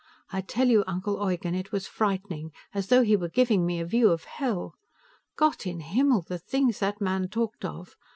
I tell you, Uncle Eugen, it was frightening, as though he were giving me a view of Hell. Gott im Himmel, the things that man talked of!